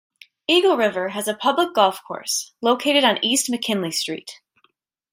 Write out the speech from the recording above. Eagle River has a public golf course, located on East McKinley Street.